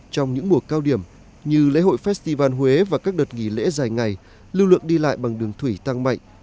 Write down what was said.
trong những mùa cao điểm như lễ hội festival huế và các đợt nghỉ lễ dài ngày lưu lượng đi lại bằng đường thủy tăng mạnh